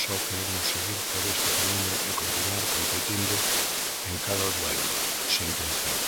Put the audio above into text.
Só queremos seguir por este camiño e continuar competindo en cada duelo, sentenciou.